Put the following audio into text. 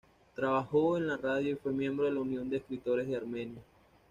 Trabajó en la radio y fue miembro de la Unión de escritores de Armenia.